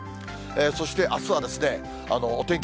そしてあすはお天気